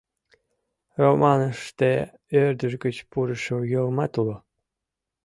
Романыште ӧрдыж гыч пурышо йылмат уло.